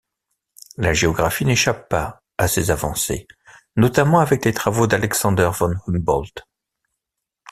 La géographie n'échappe pas à ces avancées, notamment avec les travaux d'Alexander von Humboldt.